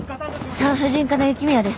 産婦人科の雪宮です。